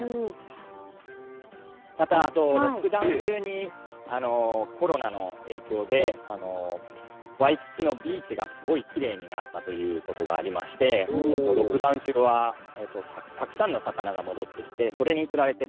また、ロックダウン中に、コロナの影響で、ワイキキのビーチがすごいきれいになったということがありまして、ロックダウン中はたくさんの魚が戻ってきて、それにつられて、